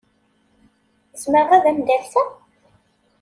Zemreɣ ad am-d-alseɣ?